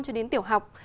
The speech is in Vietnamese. cho đến tiểu học